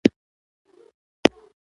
مېونده راسه.